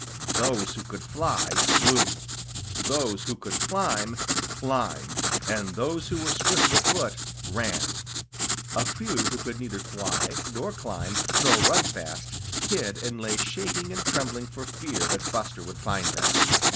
Those who could fly, flew. Those who could climb, climbed. And those who were swift of foot, ran. A few who could neither fly nor climb nor run fast, hid and lay shaking and trembling for fear that Buster would find them.